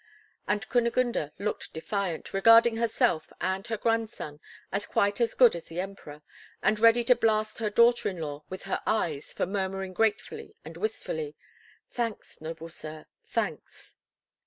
And Kunigunde looked defiant, regarding herself and her grandson as quite as good as the Emperor, and ready to blast her daughter in law with her eyes for murmuring gratefully and wistfully, "Thanks, noble sir, thanks!"